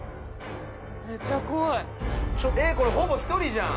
これほぼ１人じゃん！